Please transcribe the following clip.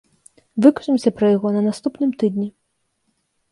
Выкажамся пра яго на наступным тыдні!